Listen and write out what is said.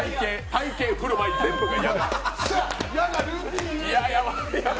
体型、振る舞い、全部が嫌です。